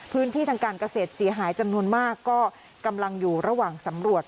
พื้นที่ทางการเกษตรเสียหายจำนวนมากก็กำลังอยู่ระหว่างสำรวจ